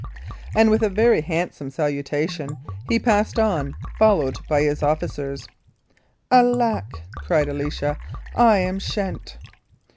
And with a very handsome salutation he passed on, followed by his officers. "Alack," cried Alicia, "I am shent!"